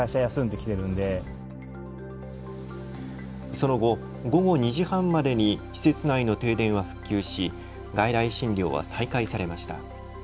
その後、午後２時半までに施設内の停電は復旧し外来診療は再開されました。